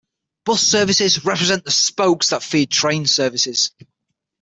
Bus services represent the spokes that feed train services.